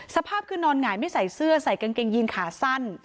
สภาพคือนอนหงายไม่ใส่เสื้อใส่กางเกงยีนขาสั้น